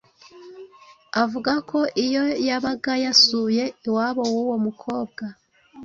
Avuga ko iyo yabaga yasuye iwabo w'uwo mukobwa,